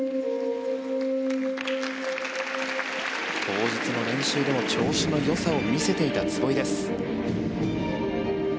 当日の練習でも調子のよさを見せていた壷井です。